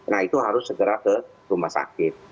nah itu harus segera ke rumah sakit